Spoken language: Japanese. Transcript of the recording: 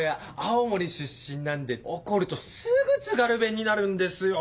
青森出身なんで怒るとすぐ津軽弁になるんですよ。